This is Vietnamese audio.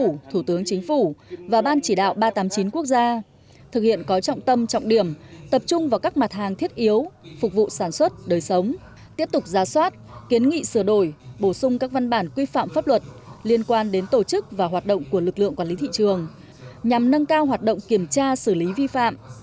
chính phủ thủ tướng chính phủ và ban chỉ đạo ba trăm tám mươi chín quốc gia thực hiện có trọng tâm trọng điểm tập trung vào các mặt hàng thiết yếu phục vụ sản xuất đời sống tiếp tục ra soát kiến nghị sửa đổi bổ sung các văn bản quy phạm pháp luật liên quan đến tổ chức và hoạt động của lực lượng quản lý thị trường nhằm nâng cao hoạt động kiểm tra xử lý vi phạm